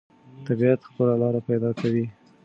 طبیعت خپله لاره پیدا کوي.